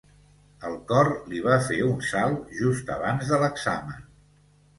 El cor li va fer un salt just abans de l'examen